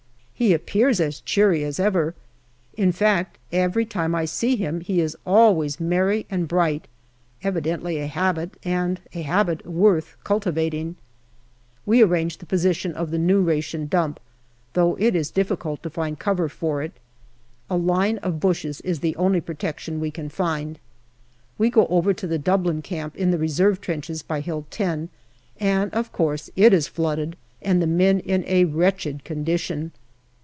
He appears as cheery as ever ; in fact, every time I see him he is always merry and bright, evidently a habit, and a habit worth cultivating. \Ve arrange the position of the new ration dump, though it is difficult to find cover for it. A line of bushes is the only protection we can find. We go over to the Dublin camp in the reserve trenches by Hill 10, and, of course, it is flooded, and the men in a wretched condition.